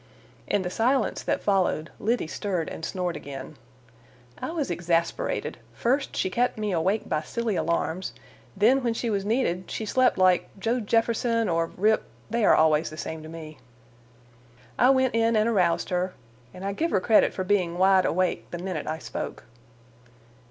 In the silence that followed Liddy stirred and snored again. I was exasperated: first she kept me awake by silly alarms, then when she was needed she slept like Joe Jefferson, or Rip,—they are always the same to me. I went in and aroused her, and I give her credit for being wide awake the minute I spoke.